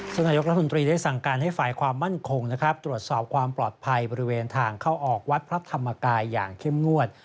ซึ่งนายกรัฐมนตรีได้สั่งการให้ฝ่ายความมั่นคงนะครับตรวจสอบความปลอดภัยบริเวณทางเข้าออกวัดพระธรรมกายอย่างเข้มงวด